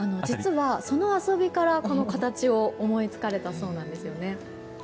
実は、その遊びからこの形を思いつかれたそうなんですよね。